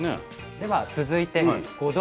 では続いてごど。